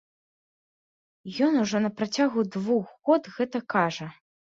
Ён ужо на працягу двух год гэта кажа.